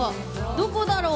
どこだろう？